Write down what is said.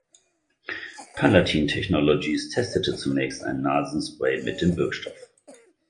Palatin Technologies testete zunächst ein Nasenspray mit dem Wirkstoff.